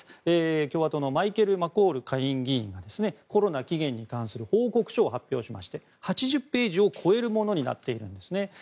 共和党のマイケル・マコール下院議員がコロナ起源に関する報告書を発表しまして８０ページを超えるものになっているんです。